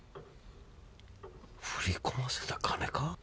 振り込ませた金か？